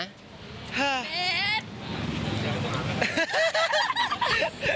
เฮ้อ